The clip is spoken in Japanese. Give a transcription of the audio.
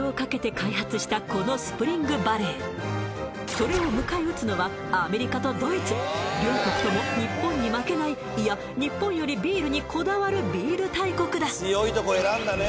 それを迎え撃つのはアメリカとドイツ両国とも日本に負けないいや日本よりビールにこだわるビール大国だ